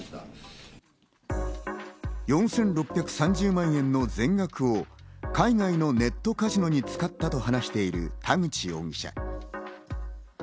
４６３０万円の全額を海外のネットカジノに使ったと話している田口容疑者。